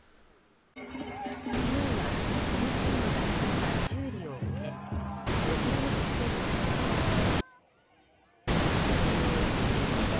昨日は、この地区のだんじりが修理を終えお披露目として引かれていました。